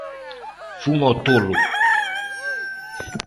Fun ao tolo.